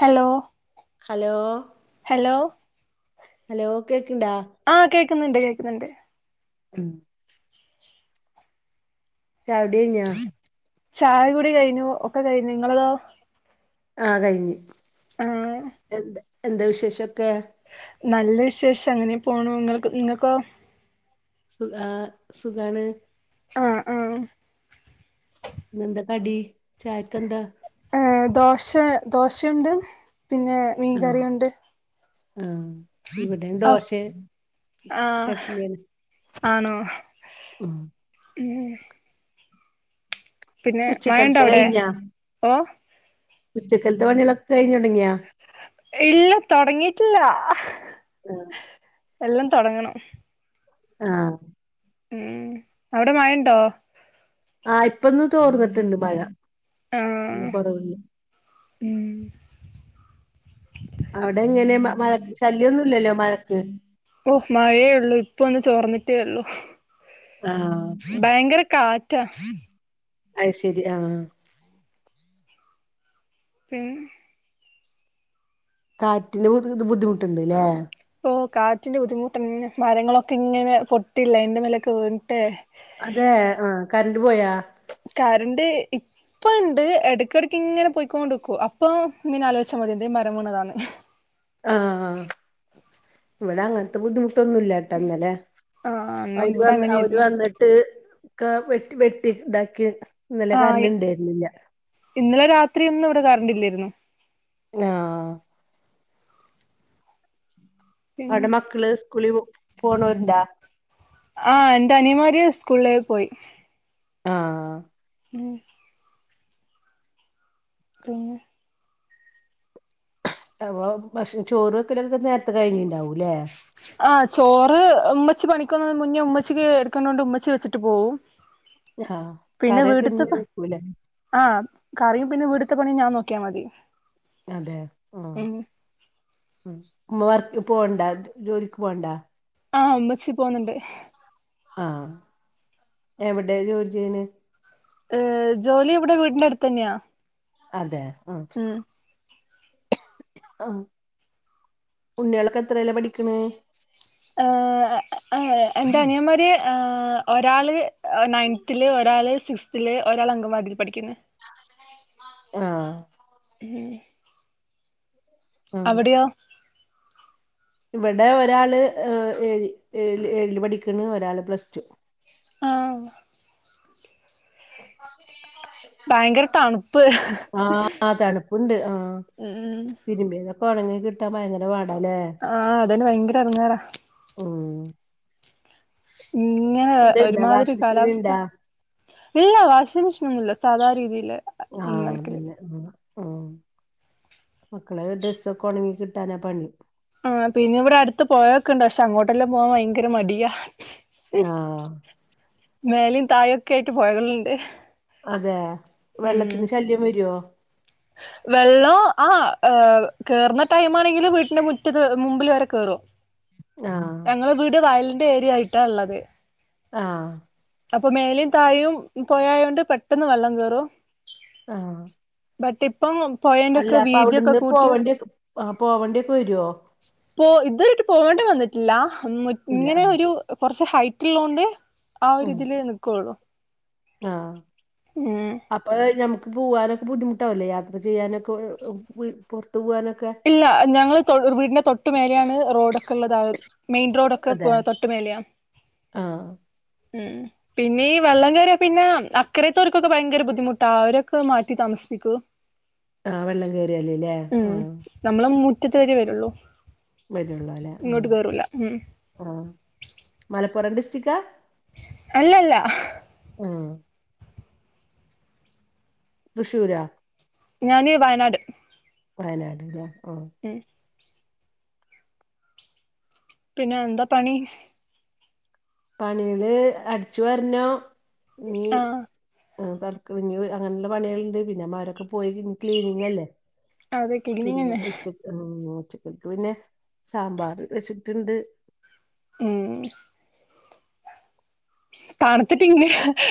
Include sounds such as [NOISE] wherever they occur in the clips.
Hello. Hello hello hello കേക്കണ്ടാ? ണ്ട്, കേക്കുണ്ട് കേക്കുന്നുണ്ട് ഉം ചായുടിയ്നോ? ചായ കുടി കഴിഞ്ഞു, ഒക്കെ കഴിഞ്ഞു നിങ്ങളതോ. ആഹ കഴിഞ്ഞു ആഹ് എന്ത എന്താ വിശേഷൊക്കെ? നല്ല വിശേഷം അങ്ങനെ പോണു നിങ്ങള. നിങ്ങൾക്കോ? സുഖആഹ് സുഖാണ് ആഹ ആഹ ന്നെന്താ കടി ചായക്കെന്താ ഏ ദോശ ദോശണ്ട് പിന്നെ മീൻകറിയുണ്ട് ആഹ ഇവിടേം ദോശെ ആഹ ആണോ ഉം ഉം പിന്നെ മഴണ്ടോ ഉച്ചക്കലത്തെ ഔടെ. കഴിഞ്ഞാ ഓ ഉച്ചക്കലത്തെ പണികളിക്കേ കഴിഞടങ്ങിയോ ഇല്ല തൊടങ്ങിട്ടില്ല അഹ് എല്ലാം തൊടങ്ങണം ആഹ് മ് അവിടെ മഴണ്ടോ ആ ഇപ്പൊന്ന്‌ തോർന്നിട്ടിണ്ട് മഴ മ് [UNINTELLIGIBLE] മം അവിടെ ങ്ങനെ മ മഴക്ക് ശല്യന്നുംല്ലല്ലോ മഴക്ക് ഓ മഴയേ ള്ളു ഇപ്പൊ ഒന്ന് ചോർന്നിട്ടേ ഉള്ളു... ആഹ് ഭയങ്കര കാറ്റാ അഹ് ശരി ആഹ് [UNINTELLIGIBLE] കാറ്റിന്റ ബുദ്ധി ബുദ്ധിമുട്ടുണ്ട് ല്ലേ ഇപ്പൊ കാറ്റിന്റെ ബുദ്ധിമുട്ടെന്നേ മരങ്ങളൊക്കെ ഇങ്ങെനെ പൊട്ടില്ലേ എന്റെ മേലേക്ക് വീണ്ട്ട്ടെ അതെ ആ കറണ്ട് പോയോ കറണ്ട് ഇപ്പണ്ട് ഇടക്കിടക്ക് ഇങ്ങനെ പോയ്കൊണ്ടുക്കും അപ്പൊ ഇങ്ങനെആലോയ്ച്ചും [UNINTELLIGIBLE] എന്തോ മരം വീണതാന്ന് ആആ ആ ഇവിടെ അങ്ങനത്തെ ബുദ്ധിമുട്ട് ടൊന്നുല്ലാട്ടോ ന്നലെ ആഹ് എന്നാ അവര് വ ഇവിടെ അവര് അങ്ങനെയായിരുന്നു വന്നിട്ട് ആ വെട്ടി വെട്ടി താക്കി [UNINTELLIGIBLE] ആഹ. ഇന്നലെ രാത്രിഒന്നും ഇവിടെ കറണ്ടില്ലയിരുന്നു നാ ആ പിന്നെ അവിടെ മക്കള് സ്കൂളിൽ പോണോരുണ്ടോ ആഹ എന്റേനിയന്മാര് സ്കൂളിലേ പോയി ആഹ് ഉം പിന്നെ അപോ ഭക്ഷ ചോറ് വെക്കലൊക്കെ നേരത്തെ കഴിഞ്ഞിണ്ടാവൂല്ലേ ആ ചോറ് ഉമ്മച്ചി പണിക്ക് പോണമുന്നേ ഉമ്മച്ചിക്ക് എടുക്കുനോണ്ടു ഉമ്മച്ചി വെച്ചിട്ട് പോവും ആഹ് പിന്നെ കറിയൊക്കെ വീട്ടിത്തെ ഇഞ്ഞി വെക്കൂലേ [UNINTELLIGIBLE] ആഹ കറിയും പിന്നെവിടുത്ത പണി ഞാൻ നോക്കിയാമതി അതെ ആ ഉമ്മ വർക്ക് പോവണ്ട ജോലിക്ക് പോവണ്ട ആഹ് ഉമ്മച്ചി പോവുന്നുണ്ട് ആ എവ്ടെ ജോലി ചെയ്യ്ന്നേ ഏ ജോലി ഇവ്ടെ ഒരു വീട്ട്ന്റെ അടുത്ത് ന്നെയാ അതെ ഉം ആ ഉണ്ണികളൊക്കെ എത്രേലാ പഠിക്കുന്നെ ഏഹ്ഹ് ഏഹ്ഹ് എന്റെ അനിയന്മാര് ഏഹ് ഒരാള് നയൻത്തില് ഒരാള് രാള് സിസ്റ്റ്ത് ല് ഒരാള് അംഗവാടിൽ പടിക്ക്ന്ന് [UNINTELLIGIBLE] ആം ആഹ് അവിടിയോ ഇവിടെ ഒരാള് ഏ ഏഴ് എഴിൽ പഠിക്കണ് ഒരാള് പ്ലസ് ടു ആ ഭയങ്കര തണുപ്പ് [INAUDIBLE] ആ തണുപ്പുണ്ട് ആ. ഉം ഉ പ്പോ ഉണങ്ങികിട്ടാൻ ഭയങ്കര പാടാല്ലേ ആഹ് അതന്നെ ഭയങ്കര എടങ്ങേറാ ഉമ്. ഇങ്ങനെ ഇത്ണ്ടാ ഒരുമാതിരി വാഷിംഗ് മെഷീൻ ഇണ്ടാ കാലാവസ്ഥ ഇല്ല വാഷിമിഷി [UNINTELLIGIBLE] സാധ രീതിയിയിലെ ആ അതന്നെ ആ. ആ മക്കളെ ഡ്രസ്സൊക്കെ ഉണങ്ങി കിട്ടാനാ പണി. ആ പിന്നെ ഇവിടെ അടുത്ത് പോയൊക്കെ ഇണ്ട് പക്ഷെ അങ്ങോട്ടല്ലാം പോവാൻ ഭയങ്കര മടിയാ. ആഹ് മേലും തായൊക്കെ ആയിട്ട് പോയകള്ളുണ്ട്. അതെ വെള്ളത്തിന് ശല്യം വരുവോ? വെള്ളം ആ കേറുന്ന ടൈം ആണെങ്കിൽ വീട്ടിന്റെ മുറ്റത്ത് മുമ്പിൽ വരെ കേറും. ആഹ് ഞങ്ങള വീട് വയലിന്റെ ഏരിയ ആയിട്ടാ ഉള്ളത്. ആ അപ്പൊ മേലും തായും പോയായൊണ്ട് പെട്ടെന്ന് വെള്ളം കേറും. ആ ബട്ട് ഇപ്പം പൊഴേന്റെ അല്ല ഒക്കെ അപ്പൊ വീതിയൊക്കെ അവിടുന്ന് കൂട്ടി പോവണ്ടി ആ പോവേണ്ടിക്കെ വരുവോ? പോ ഇ ഇത്വര്യട്ട് പോകേണ്ടി വന്നിട്ടില്ല ഇല്ല ഇങ്ങനെ ആഹ് ഒരു കുറച്ച് ഹൈറ്റ് ഉള്ളതോണ്ട് ആ ഒരു ഇതിലേ നിൽക്കുള്ളൂ. ആ അപ്പൊ നമുക്ക് പോവാനേ ബുദ്ധിമുട്ടാവൂലെ യാത്ര ചെയ്യാനൊക്കെ വീട് ഇല്ല ഞങ്ങളൾ വീടിന്റെ തൊട്ട് മേലെയാണ് റോഡൊക്കെ ഉള്ളത് ആ മെയിൻ റോഡൊക്കെ തൊട്ട് മേലെയാണ്. ആ പിന്നെ ഈ വെള്ളം കയറിയ പിന്നെ അക്കരത്തോർക്കൊക്കെ ഭയങ്കര ബുദ്ധിമുട്ടാ അവരൊക്കെ മാറ്റി താമസിപ്പിക്കു ആ വെള്ളം കേയറിയല്ല്ലേ ആ നമ്മള മുറ്റത്ത് വരെ വരുള്ളൂ. വരുള്ളൂ അല്ലേ ആ ഇങ്ങോട്ട് കേറൂല ഉം ആ മലപ്പുറം ഡിസ്ട്രികാ? അല്ലല്ല. ആ തൃശൂരാ. ഞാൻ വയനാട്. വയനാട് ലെ. ഉം പിന്നെ എന്താ പണി? പണികൾ അടിച്ചു വർണം നീ ആഹ് കു [UNINTELLIGIBLE] ഇങ് അങ്ങനെയുള്ള പണികളുണ്ട് പിന്നെമാരൊക്കെ പോയി ക്ലീനിങ് അല്ലേ. അതെ ക്ലീനിങ് പിന്നെ തന്നെ ഉച്ചക് ച്ചകക് പിന്നെ സാമ്പാർ വെച്ചിട്ടുണ്ട് എ. തണുത്തിട്ടിങ്ങനെ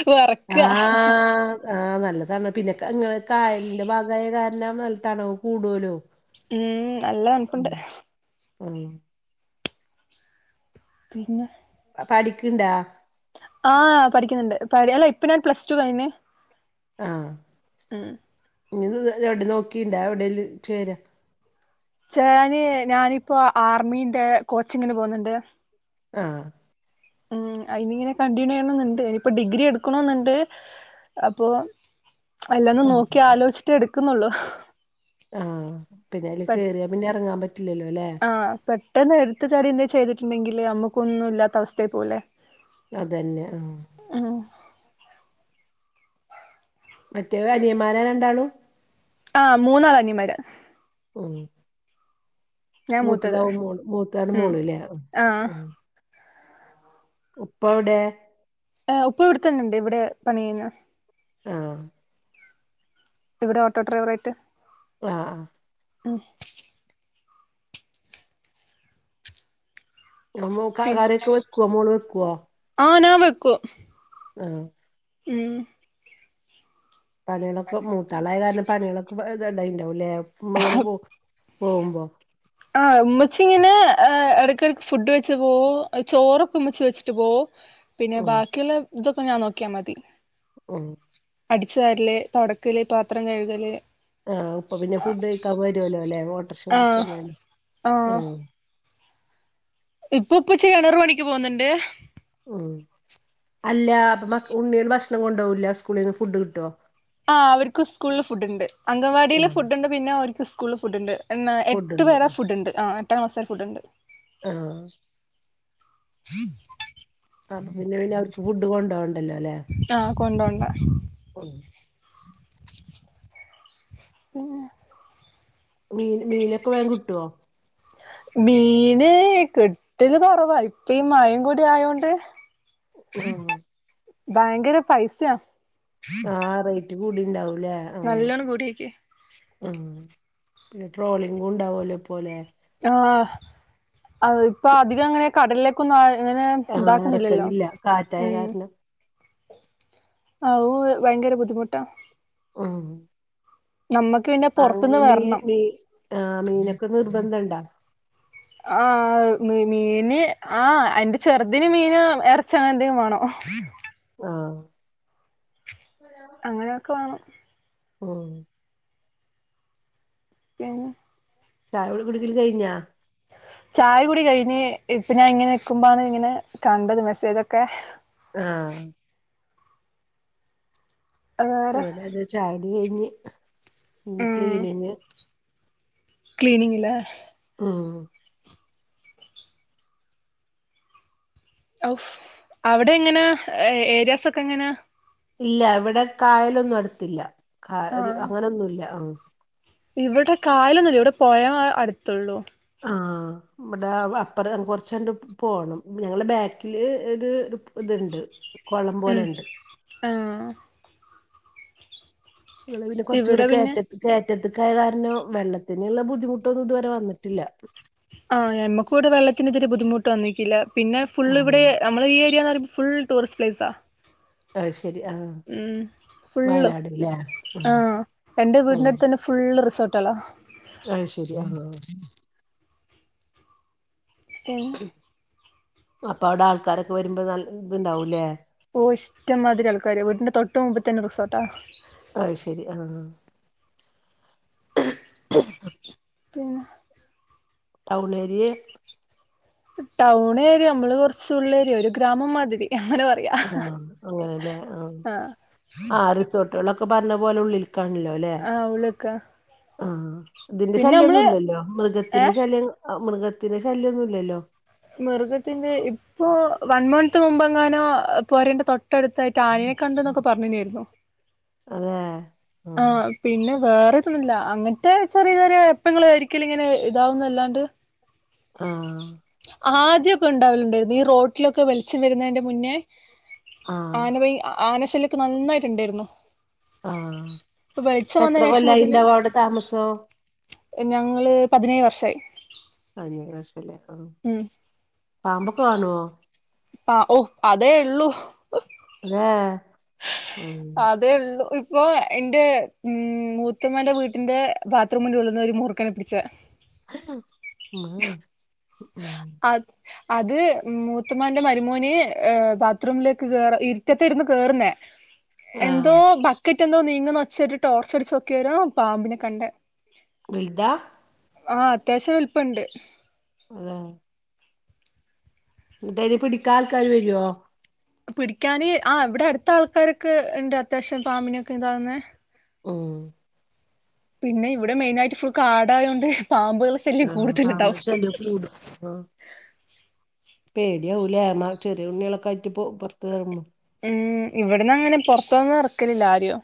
വിറകാ. ആഹ് ആഹ് നല്ല തണ പിന്നെ ഇങ്ങെ കായലിന്റെ ഭാഗയ കാരണം നല്ല തണവ് കൂടുലോ? ഉം നല്ല താണുപ്പുണ്ട്. ഉം പിന്നെ. പഠിക്ക്ണ്ടാ? ആ പഠിക്കുന്നുണ്ട് അല്ല ഇപ്പ ഞാൻ പ്ലസ്ടു കയിഞ്ഞു. ഹ് ഇങ്ങ എവിടെ നോക്കിണ്ടാ എവടെങ്കിലും ചേര [UNINTELLIGIBLE] ഞാനിപ്പോ, ആർമിന്റെ കോച്ചിങ്ങിന് പോകുന്നുണ്ട്. ആ ഉം അയ്നിങ്ങനെ കണ്ടിന്യുയ്യണെന്ന്ണ്ട്. ഇനിയിപ്പൊ ഡിഗ്രി എടുക്കണൊന്ന്ണ്ട് അപ്പോ, അല്ലെന്ന് ആഹ് നോക്കി ആലോയ്ച്ചിട്ടെ എട്ക്കുന്നുള്ളു ആഹ് പിന്നെ അയില് പെ കേറിയാ പിന്നെ ഇറങ്ങാൻ പറ്റില്ലല്ലൊലേ ആഹ് പെട്ടെന്ന് എട്ത്ത് ചാടിന്തെ ചെയ്തിട്ട്ണ്ടെങ്കില് ഞമ്മക്കൊന്നു ഇല്ലത്ത അവസ്ഥയി പോവുംലെ അതെന്നെ ആഹ് മറ്റേ അനിയമ്മാര രണ്ടാളും ആ മൂന്നാള് അനിയമ്മാര ഉം ഞാൻ മൂത്തത് മൂത്തതാവു മോള്, മൂത്താണ് ഉം മോള്ലെ ആഹ് ഉപ്പവ്ടെ ആഉപ്പ ഇവ്ടെത്തന്നെണ്ട് ഇവടെ പണിയിലാ ആഹ് ഇവിടെ ഓട്ടൊ ഡ്രൈവറായിട്ട് ആ ഉം [INAUDIBLE] ആഹ് പിന്നെ, കറിയൊക്കെ വെക്കുവോ മോള് ആ നാ വെക്കും ആ ഉം [INAUDIBLE] പണിളൊക്കെ മൂത്താളായ കാരണം പണിളൊക്കെ ഇത് ഇണ്ടായിട്ട്ണ്ടാവുംലേ ഇമ്മങ്ങനെ [INAUDIBLE] പോ പോവുമ്പൊ ച്ചിങ്ങനെ ഏഹ് എടക്കെടക്ക് ഫുഡ് വെച്ച് പോ ചോറക്കെ മ്മച്ചി വെച്ചിട്ട് പോവു പിന്നെ ഉം ബാക്കിള്ള ഇതൊക്കെ ഞാൻ നോക്കിയ മതി. ഓഹ് അടിച്ച്‌ വാരല് തൊടക്കല് പാത്രം കഴ്കല് ആഹ് ഉപ്പ പിന്നെ, ഫുഡ് കഴിക്കാ വരുവല്ലൊലെ ആഹ് വോട്ട്റ്ഷോടീക്ക ആഹ് ഉം ഉപ്പോ ഉപ്പച്ചി എണറ് പണിക്ക് പോക്ന്ന്ണ്ട് ഉം അല്ലാ അപ്പൊ മക് ഉണ്ണീള് ഭക്ഷ്ണം കൊണ്ടോവൂല സ്കൂളിന്ന് ഫുഡ് കിട്ടോ ആഹ് അവര്ക്ക് സ്കൂള്ല് ഫുഡ്ഡ്ണ്ട്, അങ്കൺവാടില് ആഹ് ഫുഡ്ഡുണ്ട്, പിന്ന ഓർക്ക് സ്കൂൾല് ഫുഡ്ഡ്ണ്ട്. എന്ന എട്ട് ഫുഡ്ണ്ട് പേരെ ഫുഡ്ഡണ്ട് ആഹ് എട്ടാം ക്ലാസ് വരെ ഫുഡ്ഡ്ണ്ട് ആഹ് അപ്പൊ പിന്നെ പിന്ന അവർക്ക് ഫുഡ്ഡ് കൊണ്ടോണ്ടല്ലൊലെ ആഹ് കൊണ്ടോണ്ട ഉം ഉംആ മീന്, മീനൊക്കെ വേമ് കിട്ടോ? മീന്, കിട്ടല് കൊറവാ ഇപ്പ ഈ മഴിം കൂടി ആയോണ്ട് ആഹ് ഭയങ്കര പൈസ്യാ ട്ട്കൂടിണ്ടാവും നല്ലോണം കൂടീക്ക് ഉം, ട്രോളിംഗും ഉണ്ടാവോലൊ പോലേ ആഹ് അവ് ഇപ്പൊ അധികങ്ങനെ കടലിലെക്കൊന്ന് അവ് എങ്ങനെ ആഹ് ഇതാക്ക്ന്നില്ലല്ലൊ എറക്കലില്ല കാറ്റായ ഉം കാരണം ആവു ഭയങ്കര ബുദ്ധിമുട്ടാ ആഹ് നമ്മക്ക് പിന്നെ പൊറത്തുന്ന് അങ്ങനെ മീ വരണം മീ ആഹ് മീനൊക്കെ നിർബന്ധണ്ടോ? ആഹ് മീന് ആഹ് എന്റെ ചെറ്തിന് മീന് എറച്ചി അങ്ങനെന്തെങ്കി വേണം. ആഹ് അങ്ങനെയൊക്കെ വേണം. ഉം പിന്ഹേ ചായ കുടി കുടിക്കല് കഴിഞ്ഞാ ചായ കുടി കഴിഞ്ഞ് ഇപ്നഇങ്ങനെ നിക്കുമ്പാണ് ഇങ്ങനെ കണ്ടത് മെസ്സേജൊക്കെ ആഹ് അത് വേറെ ഇവിടെ അതെ ചായകുടി കഴിഞ്ഞ് ഇഞ്ഞി ക്ലീനിങ്ങ് ക്ലീനിങ്ങിലാ ആഹ് ഔ അവിടെ ങ്ങനെ ഏരിയാസ് ഒക്കെ എങ്ങനാ ഇല്ല ഇവിടെ കായലൊന്നും അടുത്തില്ല കാ ആഹ് അങ്ങനൊന്നുല്ല ആ ഇവിടെ കായലൊന്നുല്ല ഇവിടെ പൊഴ അടുത്തുള്ളൂ ആഹ് ഇവിടെ വ അപ്പറ് കുറച്ചണ്ട് പോണം ഞങ്ങളെ ബാക്കില് ത് ഒരു ഇതുണ്ട് കുളം ഉം പോലെ ണ്ട് ആഹ് ഞങ്ങള് പിന്നേ കുറച്ച് കൂടെ ഇവിടെ പിന്നെ കേറ്റത്തു കേറ്റത് കേറ്റത്തക്കായ കാരനോ വെള്ളത്തിനുള്ള ബുദ്ധിമുട്ടൊന്നും ഇതുവരെ വന്നിട്ടില്ല ആഹ് നമ്മക്ക് ഇവിടെ വെള്ളത്തിന് ഒരു ബുദ്ധിമുട്ട് വന്നിന്നിട്ടില്ല പിന്നെ ഫുൾ ഉം ഇവിടെ നമ്മള് ഈ ഏരിയന്ന് പറയ ഫുൾ ടൂറിസ്റ്റ് സ്പെസാ ആത്ശരി ആഹ് ഫുള്ള് വയനാട് ല്ലേ ഉം ആഹ് എന്റെ വീടിന്റെടുത്ത് തന്നെ ഫുള്ള് റിസോട്ടേ ളാ ആത്ശരി ടിം അപ്പൊ അവിടെ ആൾക്കാരൊക്കെ വരുമ്പോ നൽ ഓ ഇഷ്ടംമാതിരി ആൾക്കാര് വീടിന്റെ തൊട്ട് മുൻപത്തിതന്നെ റിസോർട്ടാ ആത്ശരി ആഹ് [UNINTELLIGIBLE] പിന്നെ ടൗണെരിയെ ടൗൺ ഏരിയ നമ്മള് കൊറച്ചുള്ളേരിയ ഒരു ഗ്രാമം മാതിരി അങ്ങനെ പറയാ ആ അങ്ങനെല്ലേ ആ ആഹ് ആ റിസോർട്ടേ ളൊക്കെ പറഞ്ഞ പോലെ ഉള്ളിൽ ആഹ് ഉള്ളിക്ക ആഹ് ഇതിന്റെ ശല്യന്നുല്ലല്ലോ ഏഹ് മൃഗത്തിന്റെ ശല്യം മൃഗത്തിന്റെ ശല്യന്നുംല്ലല്ലോ മൃഗത്തിന്റെ ഇപ്പൊ വൺ മൻത് മുമ്പ ങ്ങാനോ പോരേന്റെ തൊട്ട തൊട്ടടുത്തായിട്ട് ആനയെ കണ്ടു ന്നൊക്കെ പറഞ്ഞന്നായിരുന്നു അതെ ആ ആഹ് പിന്നെ വേറെതൊന്നും ല്ല അങ്ങനത്തെ ചെറിയ ചെറിയ എപ്പഴെങ്കിലും ഒരിക്കല് ഇങ്ങനെ ഇതാവുന്നല്ലാണ്ട് ആഹ് ആദ്യക്കെ ഉണ്ടാവലുണ്ടായിരുന്നു ഈ റോട്ടിലൊക്കെ വെളിച്ചം വരുന്നതിന്റെ മുന്നേ ആഹ് ആന ആനശല്യം ഒക്കെ നന്നായിട്ടുണ്ടായിരുന്നു ആഹ് ഇപ്പൊ വെളിച്ചം ഇപ്പ എത്ര വന്നതിന് ശേഷം മുതല് കൊല്ലായിണ്ടാവോ അവിടെ താമസോ ഞങ്ങള് പതിനേഴ് വർഷായി പതിനേഴ് വർഷംല്ലേ ഉം പാമ്പൊക്കെ കാണുവോ ആ ഓ അതേ ഉള്ളൂ അതെ അതേ ഒള്ളു ഇപ്പൊ ഇന്റെ ഉം മൂത്തമ്മാന്റെ വീട്ടിന്റെ ബാത്റൂമിന്റെ ഉള്ളുന്ന് ഒരു മൂർഖനെ പിടിച്ച് മ്മേഹ് അത് അത് മൂത്തമാന്റെ മരുമോന് ബാത്റൂമിലേക്ക് കേറ ഇരുട്ടത്തെരുന്ന് കേറുന്നേ ആഹ് എന്തോ ബക്കറ്റ് എന്തോ നീങ്ങുന്ന ഒച്ചേ ട്ട് ടോർച്ച് അടിച്ച് നോക്കി നേരോ പാമ്പിനെ കണ്ട്‌ വൽതാ ആഹ് അത്യാവശ്യം വലിപ്പണ്ട് അതെ അതായത് പിടിക്കാ ൾക്കാാര് വരോ? പിടിക്കാന് ആ ഇവിടെ അടുത്ത ആൾക്കാരൊക്കെ ഇണ്ട് അത്യാവശ്യം പാമിനിയൊക്കെ ഇതാകുന്നെ ഓ പിന്നെ ഇവിടെ മെയിനായിട്ട് ഫുൾ കാടായോണ്ട് പാമ്പുകളെ ശല്യം ആഹ് പാമ്പ് കൂടുതലുണ്ടാവും. ശല്യം കൂടും ആഹ് പേടിയാവൂലേ എന്ന ചെറിയ ഉണ്ണികളൊക്കെ ആയിറ്റിപ്പോ പൊറത്ത് വരുമ്പോ ഉം ഇവിടന്നങ്ങനെ പുൊറത്തൊന്നും എറക്കലില്ല ആരും.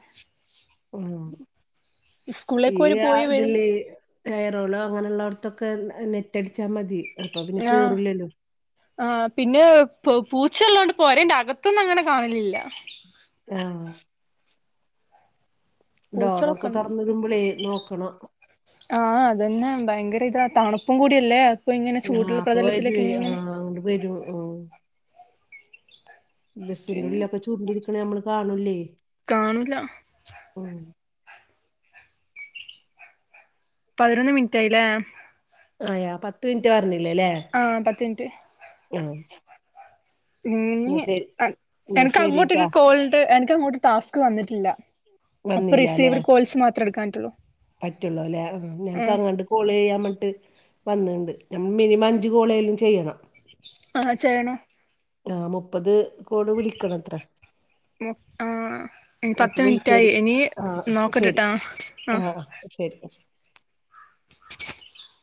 ഈ സ്കൂളിലേക്ക് ഓര് ആ പോയി വരും ഇതില് എയറോളോ അങ്ങനെള്ളോടത്തൊക്കെ നെറ്റടിച്ചാൽ മതി. അപ്പൊ പിന്നെ കേറൂല്ലല്ലോ. ആ പിന്നെ പൂച്ചള്ളോണ്ട് പൊരേന്റെ അകത്തൊന്നും അങ്ങനെ കാണലില്ല. ആഹ് പൂച്ചകളൊക്കെ ഡോറൊക്കെ തൊറന്നിടുമ്പളേ നോക്കണം. ആ അതന്നെ ഭയങ്കര ഇതാ തണുപ്പും കൂടിയല്ലേ. ഇങ്ങനെ ആ ചൂടുള്ള അപ്പൊ പ്രതലത്തിലേക്ക് വരൊയ് ആ ഇങ്ങനെ വരും ആ. ബസ്സിന്റെറെ പിന്നെ ഉള്ളിലൊക്കെ ചുര്ണ്ടിരിക്ക്ണ നമ്മള് കാണല്ലേയ്. കാണൂല. പതിനൊന്ന് മിനിറ്റ് ആയിലേ. റ്റാ പറഞ്ഞില്ലലേ ആഹ് പത്ത് മിനിറ്റ് ആ. ഇനി എന്നാ എനക്ക് അങ്ങോട്ട് ശരിട്ടാ കോളിട്ട് എനക്കങ്ങോട്ട് ടാസ്ക് വന്നിട്ടില്ല. അപ്പൊ വന്നില്ലല്ലെ റിസീവർ കോൾസ് മാത്രം എടുക്കാൻ പ പറ്റുള്ളൂ അല്ലേ? ഞങ് ക്ക് അങ്ങട്ട് കോളിയ്യാൻ വിട്ട് വന്ന്ണ്ട് നമ് മിനിമം അഞ്ച് കോളേലും ചെയ്യണം. ആ ചെയ്യണം ആ മുപ്പത് കോള് വിളിക്കണത്രേ. മു ആ നി പത്ത് മിനിറ്റായി ഇനി ആ ശരി നോക്കട്ടട്ടാ ആ. ശരി [INAUDIBLE]